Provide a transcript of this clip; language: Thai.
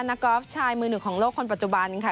กอล์ฟชายมือหนึ่งของโลกคนปัจจุบันค่ะ